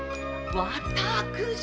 “わたくし”！